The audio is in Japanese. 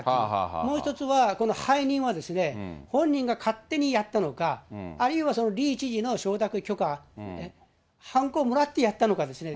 もう一つはこの背任は、本人が勝手にやったのか、あるいはイ知事の承諾、許可、はんこをもらってやったのかですね。